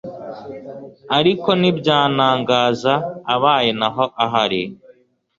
ariko ntibyantangaza abaye naho ahari